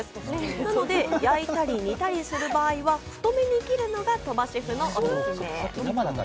なので焼いたり煮たりする場合は太めに切るのが鳥羽シェフのおすすめ。